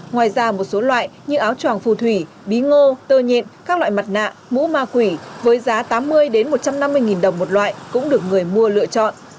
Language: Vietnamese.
ngoài ra một số loại như áo tròn phù thủy bí ngô tơ nhịn các loại mặt nạ mũ ma quỷ với giá tám mươi một trăm năm mươi đồng một loại cũng được người mua lựa chọn